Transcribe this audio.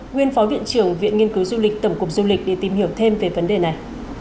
nguyên phó viện trưởng viện nghiên cứu du lịch tổng cục du lịch để tìm hiểu thêm về vấn đề này